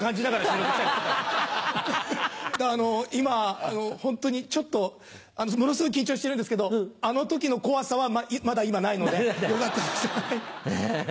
だから今ホントにちょっとものすごい緊張してるんですけどあの時の怖さはまだ今ないのでよかったです。